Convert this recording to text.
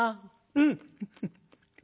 うん。